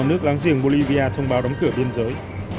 nước láng giềng bolivia thông báo đóng cửa biên giới